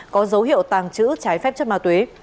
có dấu hiệu tàng trữ trái phép chất ma túy